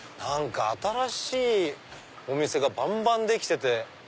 新しいお店がバンバンできてて。